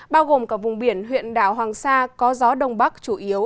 bao gồm cả vùng biển huyện đảo hoàng sa có gió đông bắc chủ yếu